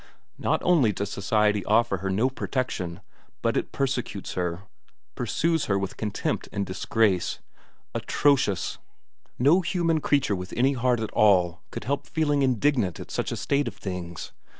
Not only does society offer her no protection, but it persecutes her, pursues her with contempt and disgrace. Atrocious! No human creature with any heart at all could help feeling indignant at such a state of things.